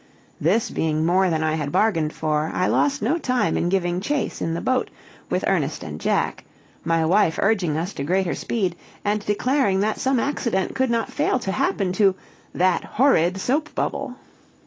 This being more than I had bargained for, I lost no time in giving chase in the boat, with Ernest and Jack; my wife urging us to greater speed, and declaring that some accident could not fail to happen to "that horrid soap bubble."